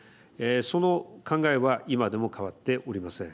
その考えは今でも変わっておりません。